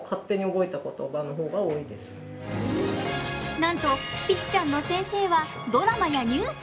なんと、ぴっちゃんの先生はドラマやニュース。